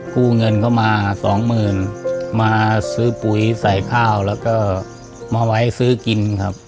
กู้เงินเข้ามาสองหมื่นมาซื้อปุ๋ยใส่ข้าวแล้วก็มาไว้ซื้อกินครับ